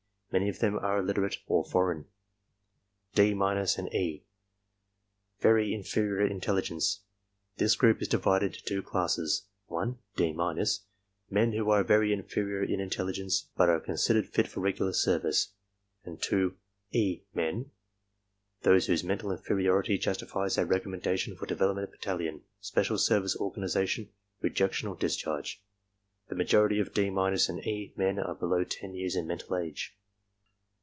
Many of them are illiterate/^ or foreign. D— and E = Very inferior intelligence. This group is di vided into two classes (1) "D " men, who are very inferior in intelligence but are considered fit for regular service; and (2) "E" men, those whose mental inferiority justifies their reconamendation for development battalion, special service organization, rejection, or discharge. The majority of "D^" and "E" men are below ten years in "mental age."